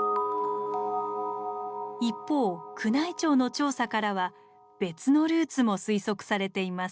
一方宮内庁の調査からは別のルーツも推測されています。